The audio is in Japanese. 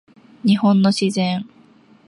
日本の自然